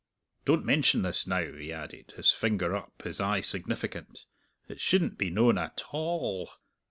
Don't mention this, now," he added, his finger up, his eye significant; "it shouldn't be known at a all."